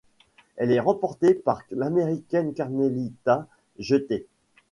Elle remportée par l'Américaine Carmelita Jeter.